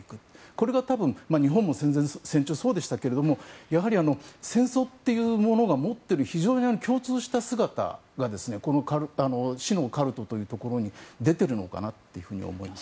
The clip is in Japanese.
これが多分日本も戦前、戦中そうでしたがやはり戦争というものが持っている非常に共通した姿がこの死のカルトというところに出ているのかなと思います。